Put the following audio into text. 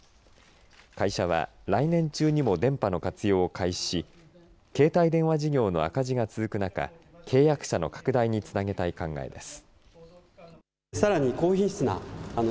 会社は来年中にも電波の活用を開始し携帯電話事業の赤字が続く中契約者の拡大につなげたい考えです。